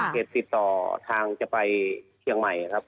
ติดต่อทางจะไปเชียงใหม่ครับ